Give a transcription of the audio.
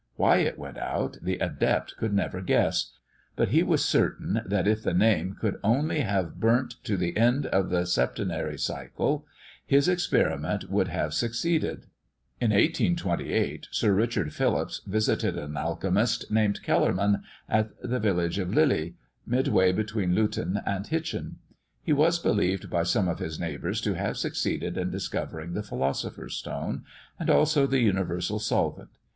Why it went out, the adept could never guess; but he was certain that if the name could only have burnt to the end of the septenary cycle, his experiment must have succeeded. In 1828, Sir Richard Phillips visited "an alchemist," named Kellerman, at the village of Lilley, midway between Luton and Hitchen; he was believed by some of his neighbours to have succeeded in discovering the Philosopher's Stone, and also the universal solvent.